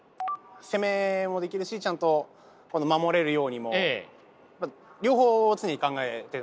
攻めもできるしちゃんと守れるようにも両方常に考えていましたね。